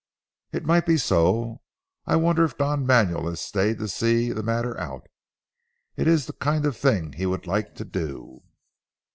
"It might be so. I wonder if Don Manuel has stayed to see the matter out. It is the kind of thing he would like to do."